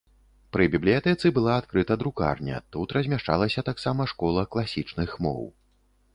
Пры бібліятэцы была адкрыта друкарня, тут размяшчалася таксама школа класічных моў.